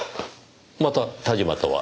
また田島とは？